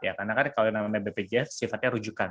karena kan kalau namanya bpjs sifatnya rujukan